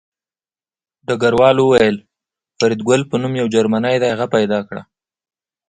ډګروال وویل فریدګل په نوم یو جرمنی دی هغه پیدا کړه